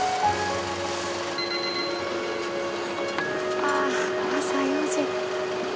ああ朝４時。